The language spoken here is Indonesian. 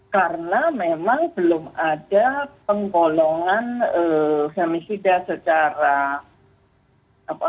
karena memang belum ada penggolongan femisida secara